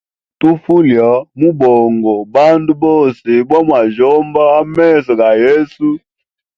Tufu lya mubongo bandu bose ba mwajyomba a meso ga yesu.